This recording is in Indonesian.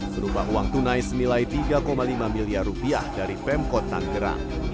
berupa uang tunai senilai tiga lima miliar rupiah dari pemkot tanggerang